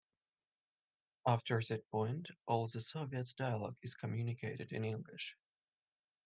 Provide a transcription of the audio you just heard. After that point, all the Soviets' dialogue is communicated in English.